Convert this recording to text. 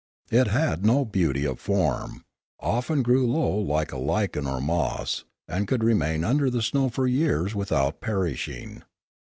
It had no beauty of form, often grew low like a lichen or moss, and could remain under the snow for years without perishing.